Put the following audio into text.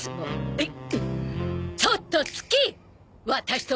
えっ？